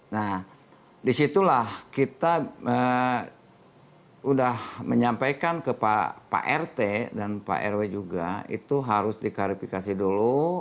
nah disitulah kita sudah menyampaikan ke pak rt dan pak rw juga itu harus diklarifikasi dulu